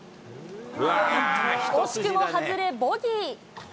惜しくも外れ、ボギー。